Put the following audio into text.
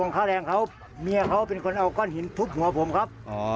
ค่าแรงเขาเมียเขาเป็นคนเอาก้อนหินทุบหัวผมครับ